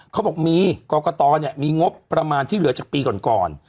เขาบอกมีกรกตมีงบประมาณที่เหลือจากปีก่อน